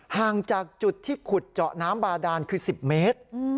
ห่างจากจุดที่ขุดเจาะน้ำบาดานคือ๑๐เมตร